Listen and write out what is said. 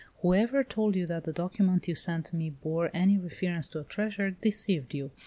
"Whoever told you that the document you sent me bore any reference to a treasure deceived you.